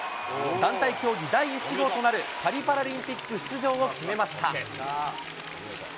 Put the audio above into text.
団体競技第１号となるパリパラリンピック出場を決めました。